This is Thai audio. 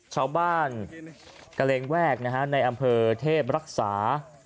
ชาวบ้านกะเลงแวกนะฮะในอำเภอเทพรักษา